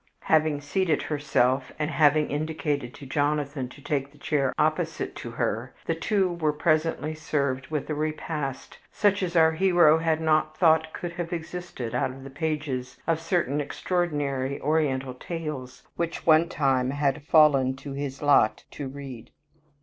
Having seated herself and having indicated to Jonathan to take the chair opposite to her, the two were presently served with a repast such as our hero had not thought could have existed out of the pages of certain extraordinary Oriental tales which one time had fallen to his lot to read.